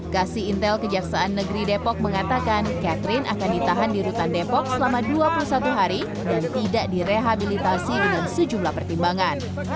kasih intel kejaksaan negeri depok mengatakan catherine akan ditahan di rutan depok selama dua puluh satu hari dan tidak direhabilitasi dengan sejumlah pertimbangan